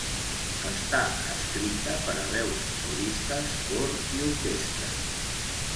Està escrita per a veus solistes, cor i orquestra.